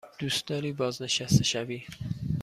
دوست داری بازنشسته شوی؟